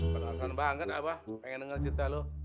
penasaran banget abang pengen dengar cerita lo